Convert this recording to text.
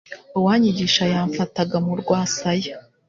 Uwanyigishaga yamfataga mu rwasaya